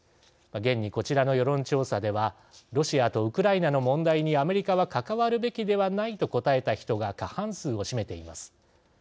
現に、こちらの世論調査ではロシアとウクライナの問題にアメリカは関わるべきではないと答えた人が過半数を占めています。